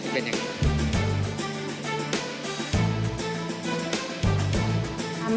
เป็นอย่างนี้